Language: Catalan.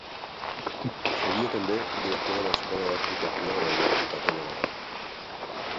Seria també director de l'Escola d'Arquitectura de la Universitat de Navarra.